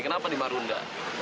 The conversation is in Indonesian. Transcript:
kenapa di marunda